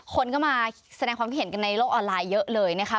คนก็มาแสดงความคิดเห็นกันในโลกออนไลน์เยอะเลยนะคะ